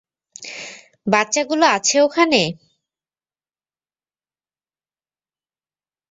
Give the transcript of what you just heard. বাচ্চাগুলো আছে ওখানে?